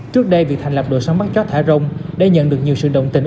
trước đây việc thành lập đội sáng bắt chó thả rong đã nhận được nhiều sự đồng tình